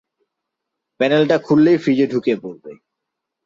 প্যানেলটা খুললেই, ফ্রিজে ঢুকে পড়বে।